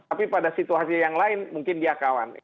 tapi pada situasi yang lain mungkin dia kawan